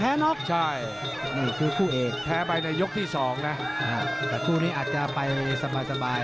แต่คู่นี้อาจจะไปสบาย